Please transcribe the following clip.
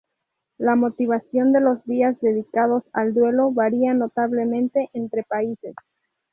La motivación de los días dedicados al duelo varía notablemente entre países.